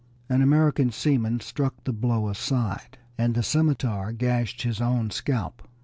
An American seaman struck the blow aside, and the scimitar gashed his own scalp.